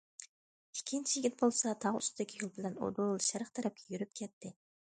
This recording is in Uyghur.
ئىككىنچى يىگىت بولسا تاغ ئۈستىدىكى يول بىلەن ئۇدۇل شەرق تەرەپكە يۈرۈپ كەتتى.